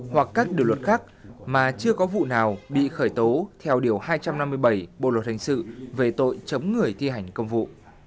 hoặc các điều luật khác mà chưa có vụ nào bị khởi tố theo điều hai trăm năm mươi bảy bộ luật hình sự về tội chấm người thi hành công vụ